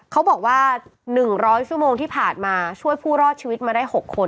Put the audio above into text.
เขาบอกว่า๑๐๐ชั่วโมงที่ผ่านมาช่วยผู้รอดชีวิตมาได้๖คน